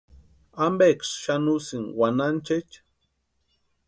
¿Ampeksï xani usïni wanhanchaecha?